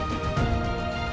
nah ini sudah hilang